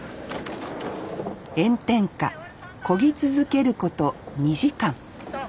炎天下漕ぎ続けること２時間。